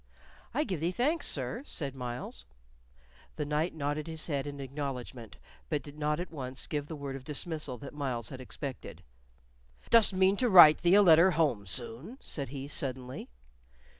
"I give thee thanks, sir," said Myles. The knight nodded his head in acknowledgement, but did not at once give the word of dismissal that Myles had expected. "Dost mean to write thee a letter home soon?" said he, suddenly.